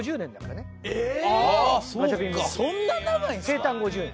生誕５０年。